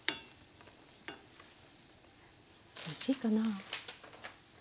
おいしいかな。